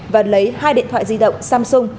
và lấy hai điện thoại di động samsung